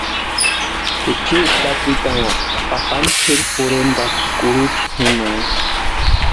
Juchi taatininha papa kʼeri jorhentʼaspti kurucha pʼimaani.